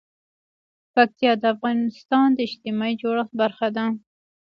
پکتیا د افغانستان د اجتماعي جوړښت برخه ده.